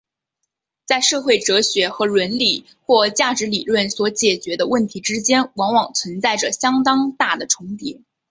在社会哲学和伦理或价值理论所解决的问题之间往往存在着相当大的重叠。